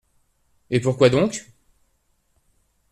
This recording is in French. Et pourquoi donc ?